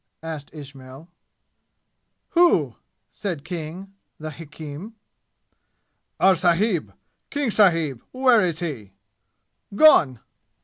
asked Ismail. "Who?" said King, the hakim. "Our sahib King sahib where is he?" "Gone!"